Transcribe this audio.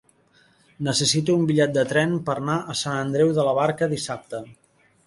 Necessito un bitllet de tren per anar a Sant Andreu de la Barca dissabte.